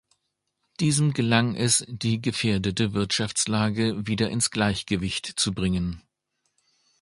Diesem gelang es, die gefährdete Wirtschaftslage wieder ins Gleichgewicht zu bringen.